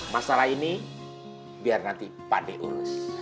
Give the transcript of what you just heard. masalah ini biar nanti pak d urus